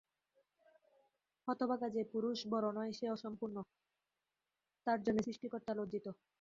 হতভাগা যে-পুরুষ বড়ো নয় সে অসম্পূর্ণ, তার জন্যে সৃষ্টিকর্তা লজ্জিত।